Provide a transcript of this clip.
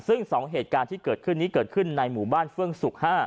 ซึ่ง๒เหตุการณ์ที่เกิดขึ้นนี้เกิดขึ้นในหมู่บ้านเฟื่องสุก๕